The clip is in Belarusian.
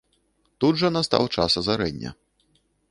Тут жа настаў час азарэння.